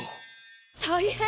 大変！